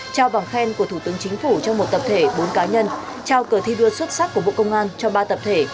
trao bằng khen của thủ tướng chính phủ cho một tập thể bốn cá nhân trao cờ thi đua xuất sắc của bộ công an cho ba tập thể